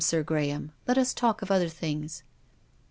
Sir Graham. Let us talk of other things."